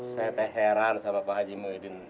saya teh heran sama pak haji muhyiddin